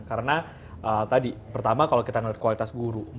karena tadi pertama kalau kita ngeliat kualitas guru